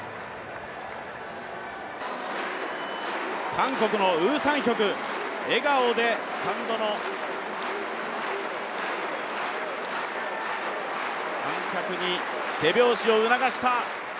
韓国のウ・サンヒョク、笑顔でスタンドの観客に手拍子を促した。